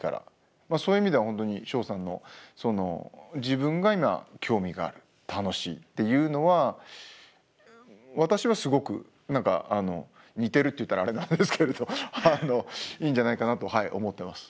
まあそういう意味では本当にしょおさんの自分が今興味がある楽しいっていうのは私はすごく何か似てるって言ったらあれなんですけれどいいんじゃないかなと思ってます。